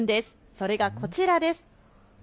それがこちらです。